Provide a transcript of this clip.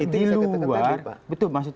itu bisa kita tekan tadi pak